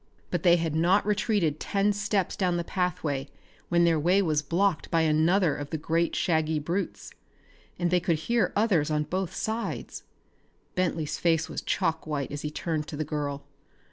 But they had not retreated ten steps down the pathway when their way was blocked by another of the great shaggy brutes. And they could hear others on both sides. Bentley's face was chalk white as he turned to the girl.